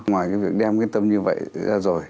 ngoài cái việc đem cái tâm như vậy ra rồi